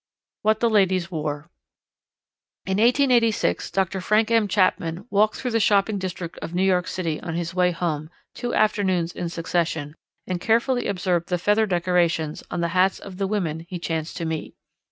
What the Ladies Wore. In 1886 Dr. Frank M. Chapman walked through the shopping district of New York City on his way home, two afternoons in succession, and carefully observed the feather decorations on the hats of the women he chanced to meet.